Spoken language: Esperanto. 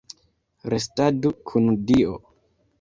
Restadu kun Dio!